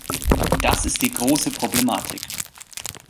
Das ist die große Problematik.